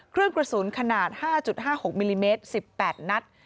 เครื่องกระสุนขนาด๕๕๖มิลลิเมตร๑๘นัด